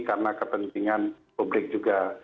karena kepentingan publik juga